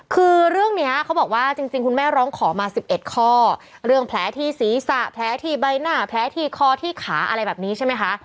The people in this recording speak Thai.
คือเรื่องนี้เขาบอกว่าจริงคุณแม่ร้องขอมา๑๑ข้อเรื่องแผลที่ศีรษะแผลที่ใบหน้าแผลที่คอที่ขาอะไรแบบนี้ใช่ไหมคะ